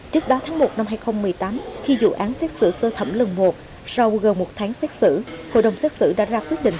trước đó tháng một năm hai nghìn một mươi tám khi dụ án xét xử sơ thẩm lần một sau gần một tháng xét xử hội đồng xét xử đã ra quyết định